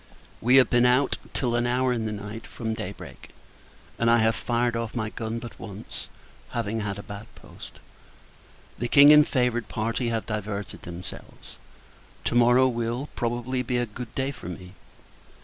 We have been out, till an hour in the night, from day break; and I have fired off my gun but once, having had a bad post. The King, and favoured party, have diverted themselves. To morrow will, probably, be a good day for me.